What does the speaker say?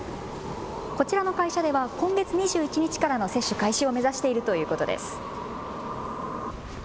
こちらの会社では今月２１日からの接種開始を目指しているということです。